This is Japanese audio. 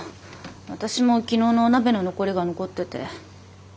私も昨日のお鍋の残りが残ってて。